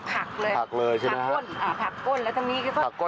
เหลืองมันก็หันได้มันก็ปั่นซัดเลยก็คิดว่าอย่าเด็ก